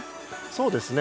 そうですね。